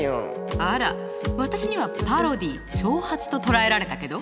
あら私にはパロディー挑発と捉えられたけど？